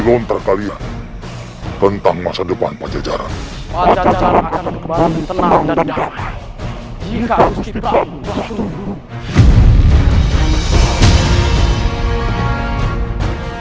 lontar kalian tentang masa depan pajajaran pajajaran akan kembali tenang dan damai